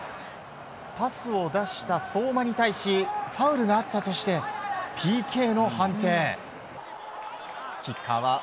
パスを出した相馬に対しファウルがあったとしてＰＫの判定。